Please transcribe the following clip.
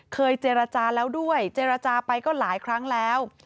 เคยเจรจาแล้วด้วยเจรจาไปก็หลายครั้งแล้ว